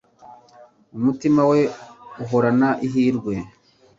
umutima we uhorana ihirwe